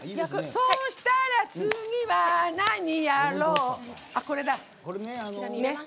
そうしたら次は何やろう。